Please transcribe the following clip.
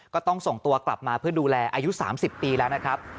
ก็ต้องส่งตัวกลับมาเพื่อดูแลอายุ๓๐ปีแล้วนะครับ